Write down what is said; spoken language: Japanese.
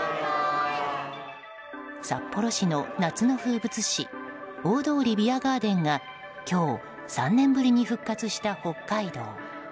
札幌市の夏の風物詩大通ビアガーデンが今日、３年ぶりに復活した北海道。